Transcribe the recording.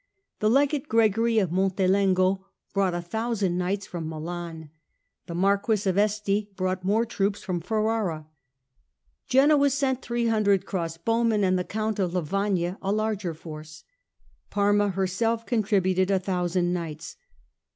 The Legate Gregory of Montelengo brought a thousand knights from Milan. The Marquess of Este brought more troops from Ferrara. Genoa sent three hundred crossbowmen and the Count of Lavagna a larger force. Parma herself contributed a thousand knights.